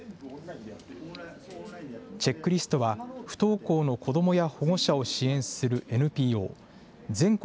チェックリストは、不登校の子どもや保護者を支援するＮＰＯ全国